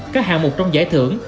các hạng một trong giải thưởng